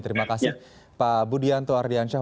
terima kasih pak budianto ardiansyah